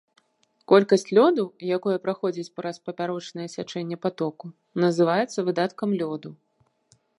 Колькасць лёду, якое праходзіць праз папярочнае сячэнне патоку, называецца выдаткам лёду.